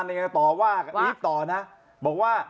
อีฟตอบว่า